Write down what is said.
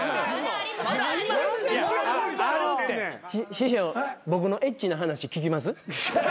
師匠僕のエッチな話聞きます？